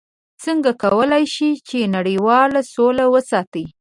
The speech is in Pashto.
څنګه کولی شي چې نړیواله سوله وساتي؟